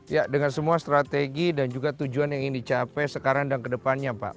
ya dengan semua strategi dan juga tujuan yang ingin dicapai sekarang dan kedepannya pak